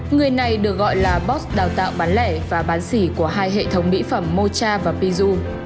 người này được gọi là boss đào tạo bán lẻ và bán xỉ của hai hệ thống mỹ phẩm mocha và pizu